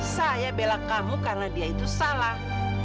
saya bela kamu karena dia itu salah